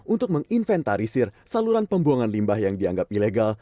untuk menginventarisir saluran pembuangan limbah yang dianggap ilegal